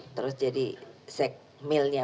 terus jadi segmilnya